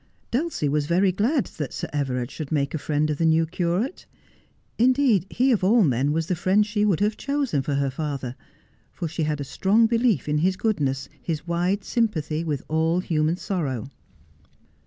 Dulcie was very glad that Sir Everard should make a friend of the new curate — indeed, he of all men was the friend she would have chosen for her father ; for she had a strong belief in his goodness, his wide sympathy with all human sorrow.